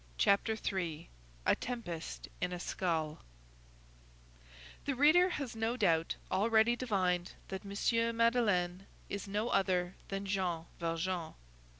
CHAPTER III—A TEMPEST IN A SKULL The reader has, no doubt, already divined that M. Madeleine is no other than Jean Valjean.